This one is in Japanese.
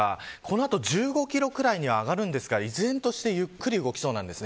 この後１５キロくらいに上がりますが、依然としてゆっくり動きそうです。